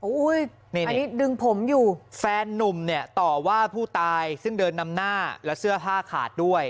อันนี้ดึงผมอยู่แฟนนุ่มเนี่ยต่อว่าผู้ตายซึ่งเดินนำหน้าและเสื้อผ้าขาดด้วย